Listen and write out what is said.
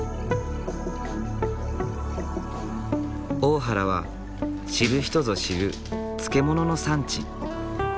大原は知る人ぞ知る漬物の産地。